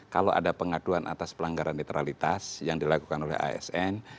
kalau ada pengaduan atas pelanggaran netralitas yang dilakukan oleh asn